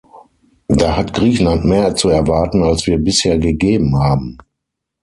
Da hat Griechenland mehr zu erwarten, als wir bisher gegeben haben!